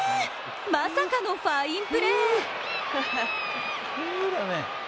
まさかのファインプレー。